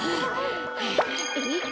えっ？